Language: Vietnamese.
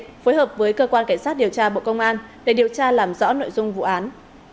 phối hợp với cơ quan cảnh sát điều tra bộ công an để điều tra làm rõ nội dung vụ án